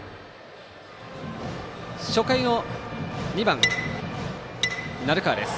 初回の２番、鳴川です。